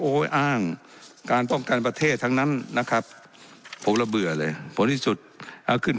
โอ้ยอ้างการต้องการประเทศทั้งนั้นนะครับโผล่ระเบื่อเลย